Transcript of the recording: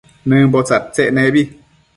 Nëmbo tsadtsec nebi